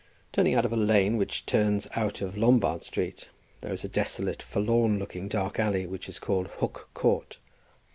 Turning out of a lane which turns out of Lombard Street, there is a desolate, forlorn looking, dark alley, which is called Hook Court.